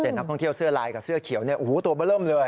นักท่องเที่ยวเสื้อลายกับเสื้อเขียวเนี่ยโอ้โหตัวเบอร์เริ่มเลย